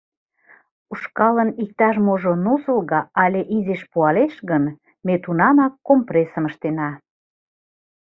Ушкалын иктаж-можо нузылга але изиш пуалеш гын, ме тунамак компрессым ыштена.